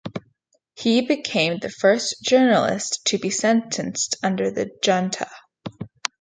He became the first journalist to be sentenced under the junta.